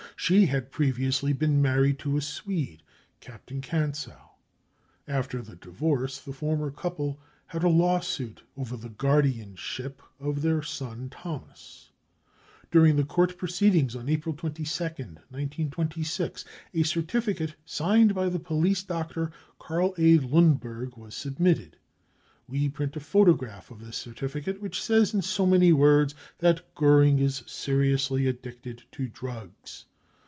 She had previously been married to a Swede, Captain Kantzow. After the divorce the former couple had a lawsuit over the guardianship of their son Thomas. During the court proceedings on April 22nd, 1926, a certificate signed by the police doctor Karl A. Lundberg was submitted ; we print a photograph of this certificate, which says in so many words that Goering is seriously addicted to drugs.